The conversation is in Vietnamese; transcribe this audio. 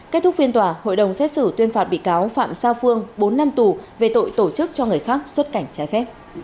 kết thúc phiên tòa hội đồng xét xử tuyên phạt bị cáo phạm sa phương bốn năm tù về tội tổ chức cho người khác xuất cảnh trái phép